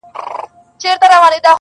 قاسم یار چي په ژړا کي په خندا سي